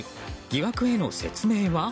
疑惑への説明は。